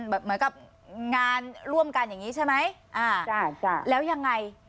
เหมือนกับงานร่วมกันอย่างงี้ใช่ไหมอ่าจ้ะจ้ะแล้วยังไง